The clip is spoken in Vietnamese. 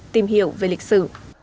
tìm hiểu về lịch sử